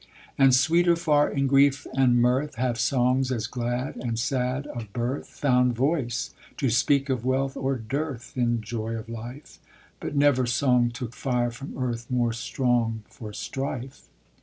And sweeter far in grief and mirth Have songs as glad and sad of birth Found voice to speak of wealth or dearth In joy of life: But never song took fire from earth More strong for strife.